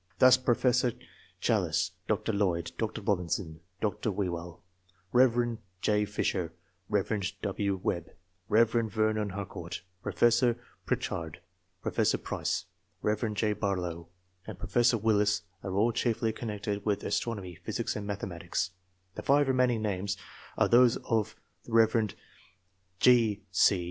Thus Prof. Challis, Dr. Lloyd, Dr. Eobinson, Dr. Whewell, Eev. J, Fisher, Rev. W. Webb, Rev. Vernon Harcourt, Prof. Pritchard, Prof. Price, Rev. J. Barlow, and Prof. Willis are all chiefly connected with astronomy, physics, and mathematics ; the five remaining names are those of the Rev. G. C.